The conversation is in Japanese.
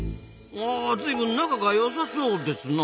あずいぶん仲がよさそうですな。